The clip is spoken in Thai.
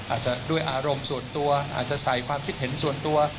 อาจจะด้วยอารมณ์ส่วนตัวอาจจะใส่ความคิดเห็นส่วนตัว